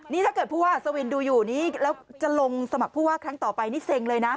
นี่ถ้าเกิดผู้ว่าอัศวินดูอยู่นี่แล้วจะลงสมัครผู้ว่าครั้งต่อไปนี่เซ็งเลยนะ